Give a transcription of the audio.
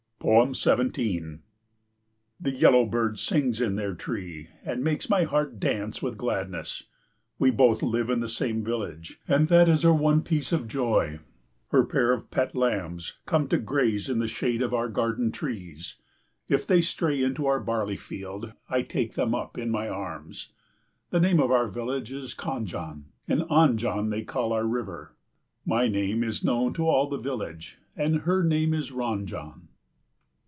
17 The yellow bird sings in their tree and makes my heart dance with gladness. We both live in the same village, and that is our one piece of joy. Her pair of pet lambs come to graze in the shade of our garden trees. If they stray into our barley field, I take them up in my arms. The name of our village is Khanjan, and Anjan they call our river. My name is known to all the village, and her name is Ranjan.